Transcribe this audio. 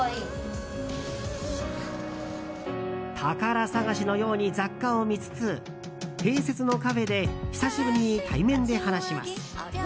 宝探しのように雑貨を見つつ併設のカフェで久しぶりに対面で話します。